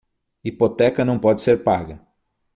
Hipoteca não pode ser paga